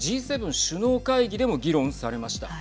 Ｇ７首脳会議でも議論されました。